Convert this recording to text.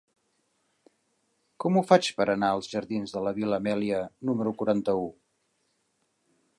Com ho faig per anar als jardins de la Vil·la Amèlia número quaranta-u?